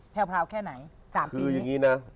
แพลวแค่ไหน